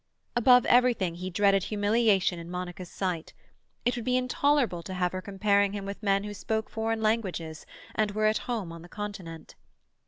Above everything he dreaded humiliation in Monica's sight; it would be intolerable to have her comparing him with men who spoke foreign languages, and were at home on the Continent.